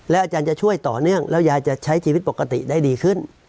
อาจารย์จะช่วยต่อเนื่องแล้วยายจะใช้ชีวิตปกติได้ดีขึ้น